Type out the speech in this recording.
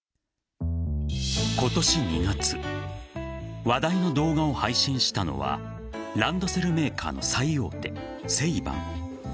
今年２月話題の動画を配信したのはランドセルメーカーの最大手セイバン。